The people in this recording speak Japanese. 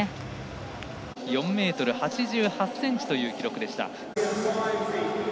４ｍ８８ｃｍという記録。